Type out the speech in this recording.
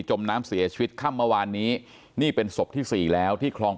จมน้ำเสียชีวิตข้ามมาวานนี้นี่เป็นศพที่๔แล้วที่คลอง